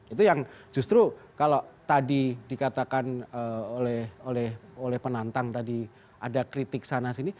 itu yang justru kalau tadi dikatakan oleh penantang tadi ada kritik sana sini